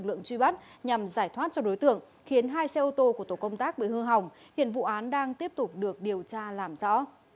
lực lượng truy bắt nhằm giải thoát cho đối tượng khiến hai xe ô tô của tổ công tác bị hư hỏng hiện vụ án đang tiếp tục được điều tra làm rõ